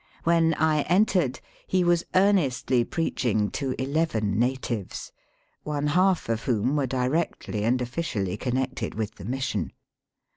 When I entered he was earnestly preaching to eleven natives, one half of whom were directly and officially connected with the mission.